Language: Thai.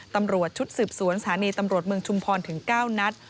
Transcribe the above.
ตำรวจชุดสืบสวนสถานีตำรวจเมืองชุมพรถึง๙นัด